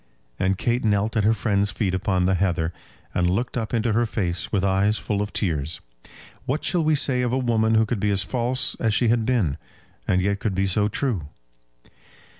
And Kate knelt at her friend's feet upon the heather, and looked up into her face with eyes full of tears. What shall we say of a woman who could be as false as she had been, and yet could be so true?